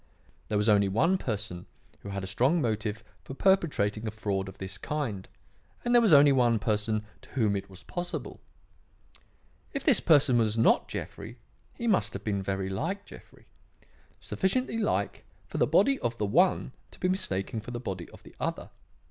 There was only one person who had a strong motive for perpetrating a fraud of this kind, and there was only one person to whom it was possible. If this person was not Jeffrey, he must have been very like Jeffrey; sufficiently like for the body of the one to be mistaken for the body of the other.